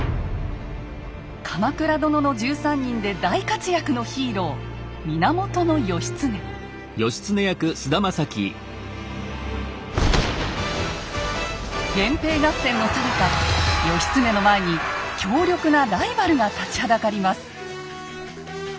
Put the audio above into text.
「鎌倉殿の１３人」で大活躍のヒーロー源平合戦のさなか義経の前に強力なライバルが立ちはだかります。